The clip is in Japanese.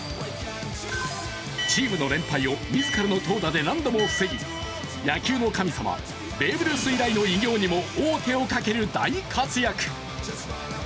チームの連敗を自らの投打で何度も防ぎ野球の神様、ベーブ・ルース以来の偉業にも王手をかける大活躍。